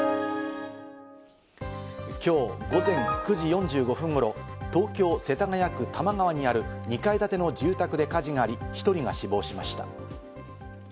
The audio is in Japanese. きょう午前９時４５分ごろ、東京・世田谷区玉川にある２階建ての住宅で火事があり、１人が死亡しました。